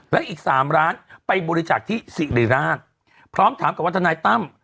และอีก๓ล้านไปบริจาคที่สิริราชพร้อมถามกับว่าทนายตั้ม